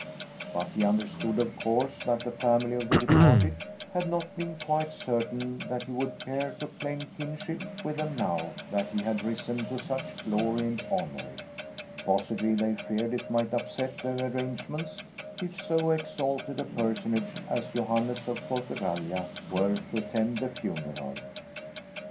But he understood, of course, that the family of the departed had not been quite certain that he would care to claim kinship with them now that he had risen to such glory and honour; possibly they feared it might upset their arrangements if so exalted a personage as Johannes of Portugallia were to attend the funeral.